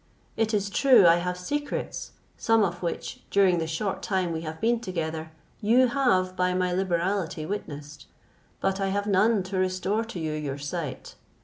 It is true I have secrets, some of which, during the short time we have been together, you have by my liberality witnessed; but I have none to restore to you your sight.